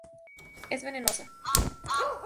Es venenosa.